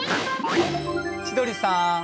千鳥さん